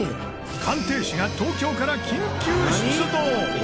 鑑定士が東京から緊急出動！